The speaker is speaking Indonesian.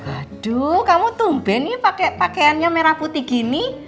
aduh kamu tumben nih pakaiannya merah putih gini